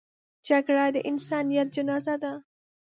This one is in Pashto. جګړه د انسانیت جنازه ده